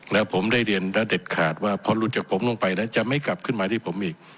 แล้วผมได้เรียนแล้วเด็ดขาดว่าพอหลุดจากผมลงไปแล้วจะไม่กลับขึ้นมาที่ผมอีก